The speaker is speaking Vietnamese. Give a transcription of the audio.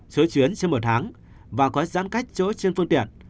số chuyến trên một tháng và có giãn cách chỗ trên phương tiện